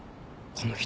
この人。